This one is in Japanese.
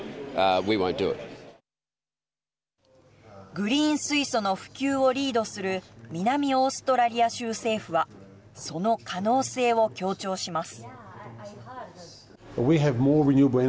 グリーン水素の普及をリードする南オーストラリア州政府はその可能性を強調します。